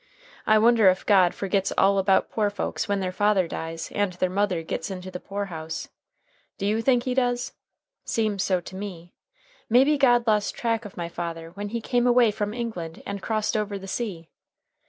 I wonder if God forgets all about poor folks when their father dies and their mother gits into the poor house? Do you think He does? Seems so to me. Maybe God lost track of my father when he come away from England and crossed over the sea.